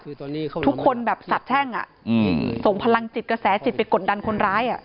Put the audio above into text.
คือทุกคนแบบสาบแช่งอ่ะอืมส่งพลังจิตกระแสจิตไปกดดันคนร้ายอ่ะ